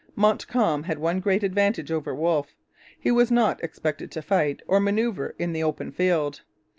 Montcalm had one great advantage over Wolfe. He was not expected to fight or manoeuvre in the open field.